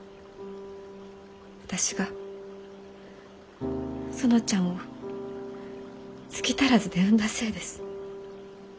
私が園ちゃんを月足らずで産んだせいです。